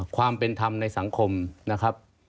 ความเป็นธรรมในสังคมนะครับ